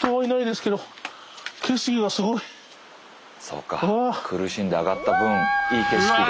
そうか苦しんで上がった分いい景色が。